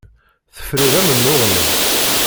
Tefrid amennuɣ-nni.